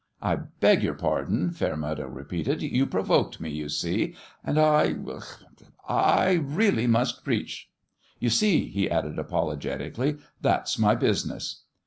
" I beg your pardon 1 " Fairmeadow repeated. " You pro voked me, you see ; and I I I really must preach. You see," he added, apologetically, " that's my business."